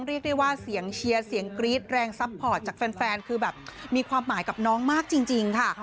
เรียกได้ว่าเสียงเชียร์เสียงกรี๊ดแรงซัพพอร์ตจากแฟนคือแบบมีความหมายกับน้องมากจริงค่ะ